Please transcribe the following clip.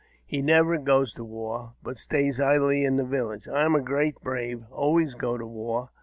He never goes to war, but stays idly in the village. I am a great brave, and always go to war.